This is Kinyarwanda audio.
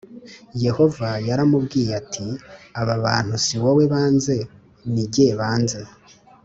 Yehova yaramubwiye ati aba bantu si wowe banze ni jye banze